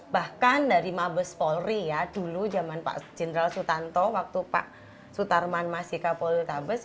bahkan dari mabes polri ya dulu zaman pak jenderal sutanto waktu pak sutarman masika polri tabes